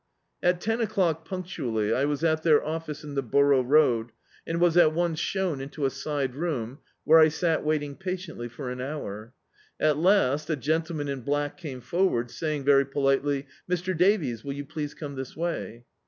At ten o'clock punctually, I was at their office in the Borough Road, and was at once shown into a side room, where I sat waiting patiently, for an hour. At last a gentleman in black came forward, saying, very politely — "Mr. Davies, will you please come this way."